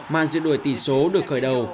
man diện đổi tỷ số được khởi đầu